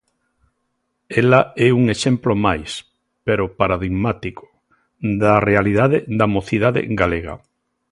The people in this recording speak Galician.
Ela é un exemplo máis, pero paradigmático, da realidade da mocidade galega.